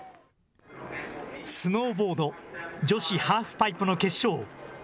スノーボード女子ハーフパイプの決勝。